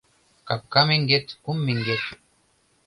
Капка меҥгет — кум меҥгет.